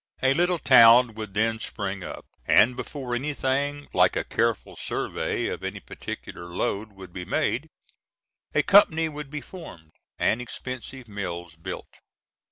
A little town would then spring up, and before anything like a careful survey of any particular lode would be made, a company would be formed, and expensive mills built.